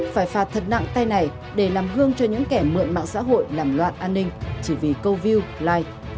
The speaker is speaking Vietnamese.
phải phạt thật nặng tay này để làm gương cho những kẻ mượn mạng xã hội làm loạn an ninh chỉ vì câu view life